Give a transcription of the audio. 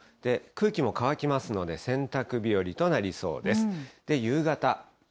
空気も乾きますので、洗濯日和となりそうです。